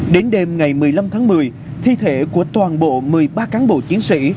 đến đêm ngày một mươi năm tháng một mươi thi thể của toàn bộ một mươi ba cán bộ chiến sĩ